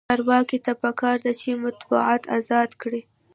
چارواکو ته پکار ده چې، مطبوعات ازاد کړي.